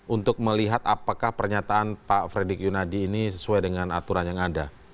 untuk melihat apakah pernyataan pak fredrik yunadi ini sesuai dengan aturan yang ada